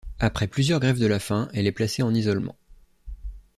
Après plusieurs grèves de la faim, elle est placée en isolement.